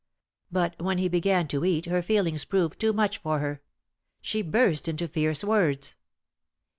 But when he began to eat her feelings proved too much for her. She burst into fierce words.